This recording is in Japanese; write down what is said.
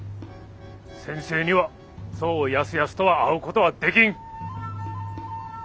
先生にはそうやすやすとは会うことはできん。